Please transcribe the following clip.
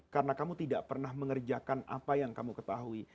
karena kamu tidak pernah mengerjakan apa yang kamu ketahui